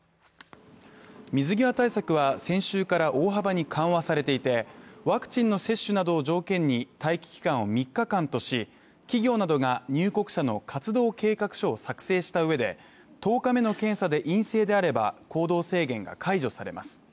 水際対策は先週から大幅に緩和されていて、ワクチンの接種などを条件に待機期間を３日間とし企業などが入国者の活動計画書を作成したうえで１０日目の検査で陰性であれば行動制限が解除されます。